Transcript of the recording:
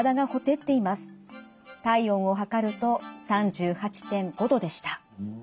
体温を測ると３８．５度でした。